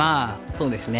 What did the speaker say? そうですね。